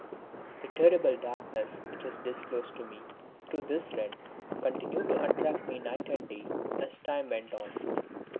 The terrible darkness which was disclosed to me through this rent, continued to attract me night and day as time went on.